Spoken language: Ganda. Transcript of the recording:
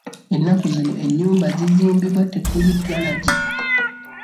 Ennaku zino ennyumba zizimbibwa tekuli garagi.